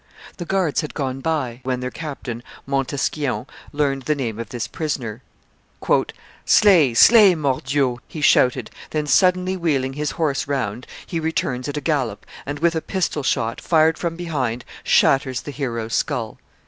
The guards had gone by when their captain, Montesquion, learned the name of this prisoner. 'Slay, slay, mordioux!' he shouted; then suddenly wheeling his horse round, he returns at a gallop, and with a pistol shot, fired from behind, shatters the hero's skull."